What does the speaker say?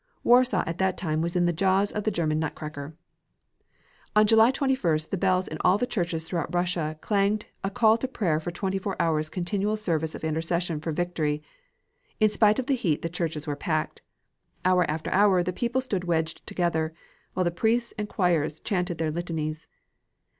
Warsaw at that time was in the jaws of the German nutcracker. On July 21st, the bells in all the churches throughout Russia clanged a call to prayer for twenty four hours' continual service of intercession for victory. In spite of the heat the churches were packed. Hour after hour the people stood wedged together, while the priests and choirs chanted their litanies.